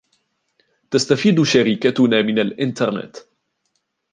تستفيد شركتنا من الإنترنت.